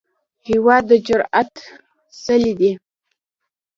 هېواد د جرئت څلی دی.